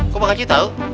kok bakal ji tau